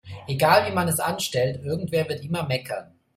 Egal wie man es anstellt, irgendwer wird immer meckern.